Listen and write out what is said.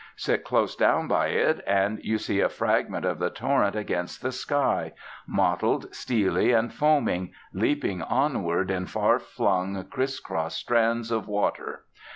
Sit close down by it, and you see a fragment of the torrent against the sky, mottled, steely, and foaming, leaping onward in far flung criss cross strands of water.